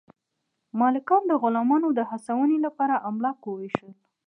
مالکانو د غلامانو د هڅونې لپاره املاک وویشل.